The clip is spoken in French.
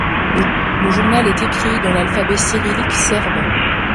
Le journal est écrit dans l'alphabet cyrillique serbe.